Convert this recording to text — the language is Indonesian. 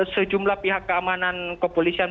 sejumlah pihak keamanan kepolisian